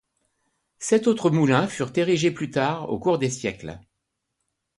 Sept autres moulins furent érigés plus tard, au cours des siècles.